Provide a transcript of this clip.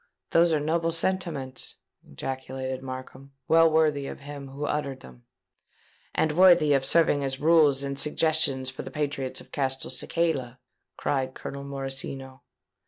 _'" "Those were noble sentiments!" ejaculated Markham: "well worthy of him who uttered them." "And worthy of serving as rules and suggestions for the patriots of Castelcicala!" cried Colonel Morosino.